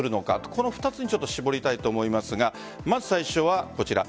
この２つに絞りたいと思いますがまず最初はこちら。